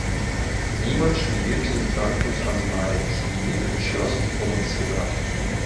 Niemann studierte in Frankfurt am Main Chemie und schloss mit Promotion ab.